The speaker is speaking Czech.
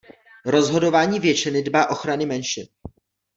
Rozhodování většiny dbá ochrany menšin.